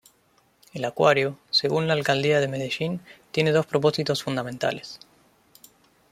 El acuario, según la Alcaldía de Medellín, tiene dos propósitos fundamentales.